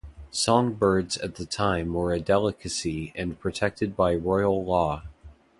Song birds at the time were a delicacy and protected by Royal Law.